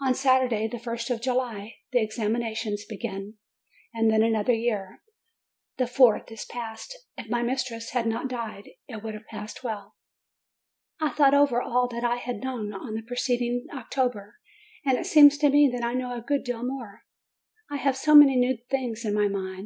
On Sat urday, the first of July, the examinations begin. And then another year, the fourth, is past! If my mis tress had not died, it would have passed well. I thought over all that I had known on the preced ing October, and it seems to me that I know a good deal more : I have so many new things in my mind.